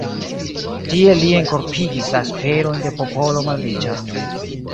Tiel li enkorpigis la esperojn de popolo malriĉa.